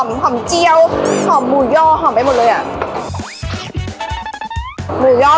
มีขอเสนออยากให้แม่หน่อยอ่อนสิทธิ์การเลี้ยงดู